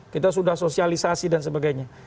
kita sudah sosialisasi dan sebagainya